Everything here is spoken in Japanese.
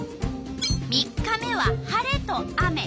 ３日目は晴れと雨。